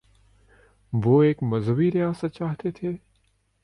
وہ ایک مذہبی ریاست چاہتے تھے؟